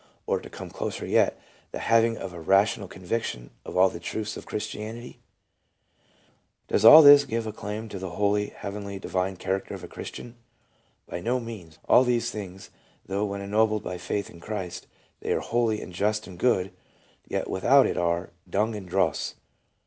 or (to come closer yet) the having a rational conviction of all the truths of Christianity ? Does all this give a claim to the holy, heavenly, divine character of a Christian ? By no means All these things, though when en nobled by faith in Christ, they are holy and just and good, yet without it are ' dung and dross.'